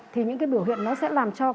thì những biểu hiện nó sẽ làm cho